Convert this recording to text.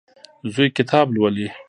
زوی کتاب لولي.